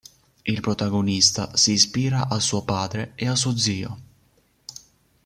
Il protagonista si ispira a suo padre e a suo zio.